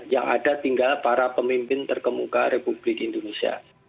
yang ada tinggal para pemimpin terkemuka republik indonesia